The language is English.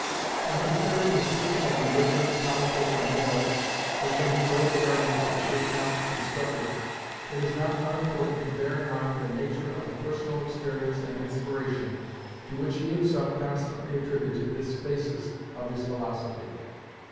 In considering the system of religion, politics, and morals, which in his later writings M. Comte constructed, it is not unimportant to bear in mind the nature of the personal experience and inspiration to which he himself constantly attributed this phasis of his philosophy.